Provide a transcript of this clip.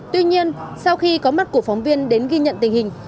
tuy nhiên sau khi có mặt của phóng viên đến ghi nhận tình hình